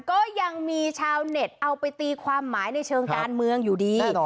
ก็ยังมีชาวเน็ตเอาไปตีความหมายในเชิงการเมืองอยู่ดี